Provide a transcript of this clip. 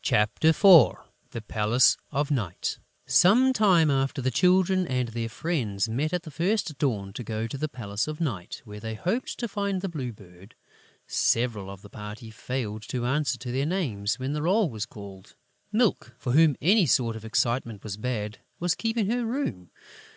CHAPTER IV THE PALACE OF NIGHT Some time after, the Children and their friends met at the first dawn to go to the Palace of Night, where they hoped to find the Blue Bird. Several of the party failed to answer to their names when the roll was called. Milk, for whom any sort of excitement was bad, was keeping her room.